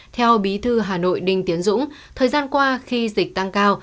theo bí thư hà nội đinh tiến dũng thời gian qua khi dịch tăng cao